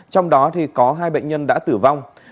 trong đó có hai bệnh nhân đã tử vong